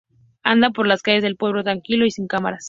Anda por las calles del pueblo tranquilo y sin cámaras.